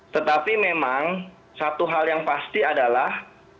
tetapi memang satu hal yang pasti adalah